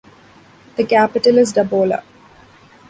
The capital is Dabola.